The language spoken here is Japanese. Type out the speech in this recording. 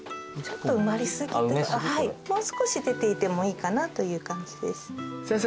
もう少し出ていてもいいかなという感じです。